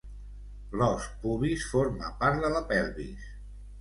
L'os pubis forma part de la pelvis.